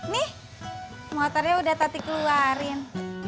nih motornya udah tati keluarin